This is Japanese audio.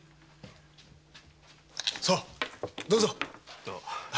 さあどうぞ！